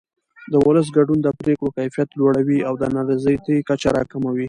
د ولس ګډون د پرېکړو کیفیت لوړوي او د نارضایتۍ کچه راکموي